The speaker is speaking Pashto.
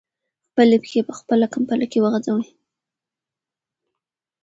خپلې پښې په خپله کمپله کې وغځوئ.